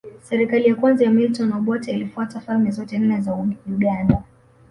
Serikali ya kwanza ya Milton Obote ilifuta falme zote nne za Uganda